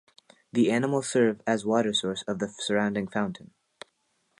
The animals serve as water source of the surrounding fountain.